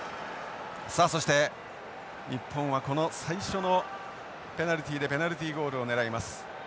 さあそして日本はこの最初のペナルティでペナルティゴールを狙います。